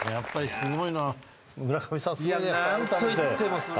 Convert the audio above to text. すごいね！